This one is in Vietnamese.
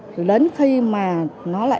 thì đến khi mà